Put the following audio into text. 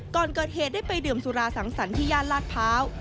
ก่อนเกิดเหตุได้ไปดื่มสุราสังสรรค์ที่ย่านลาดพร้าว